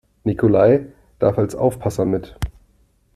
Nikolai darf als Aufpasser mit.